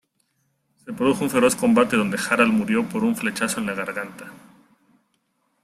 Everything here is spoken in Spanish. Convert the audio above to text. Se produjo un feroz combate donde Harald murió por un flechazo en la garganta.